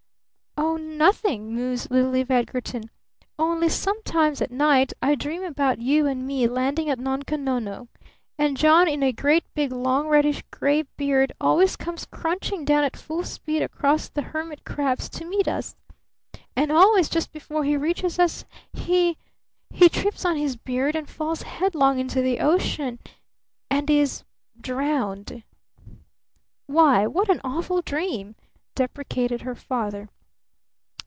"Oh nothing," mused little Eve Edgarton. "Only sometimes at night I dream about you and me landing at Nunko Nono. And John in a great big, long, reddish gray beard always comes crunching down at full speed across the hermit crabs to meet us. And always just before he reaches us, he he trips on his beard and falls headlong into the ocean and is drowned." "Why what an awful dream!" deprecated her father.